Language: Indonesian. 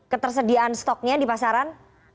ketersediaan stoknya di pasaran